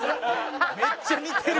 めっちゃ似てる。